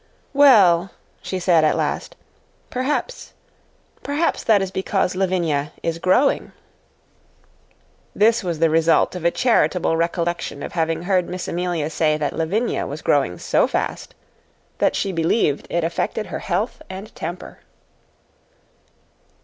"Well," she said at last, "perhaps perhaps that is because Lavinia is GROWING." This was the result of a charitable recollection of having heard Miss Amelia say that Lavinia was growing so fast that she believed it affected her health and temper.